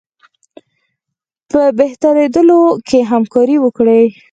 په بهترېدلو کې همکاري وکړي.